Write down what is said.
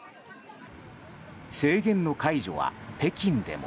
制限の解除は北京でも。